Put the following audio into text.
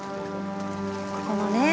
ここのね